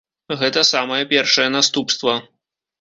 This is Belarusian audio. Гэта самае першае наступства.